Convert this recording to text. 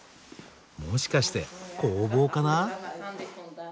もしかして工房かな？